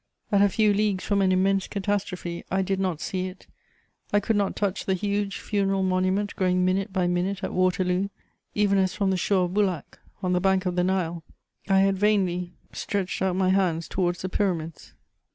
At a few leagues from an immense catastrophe, I did not see it, I could not touch the huge funeral monument growing minute by minute at Waterloo, even as from the shore of Bulak, on the bank of the Nile, I had vainly stretched out my hands towards the Pyramids.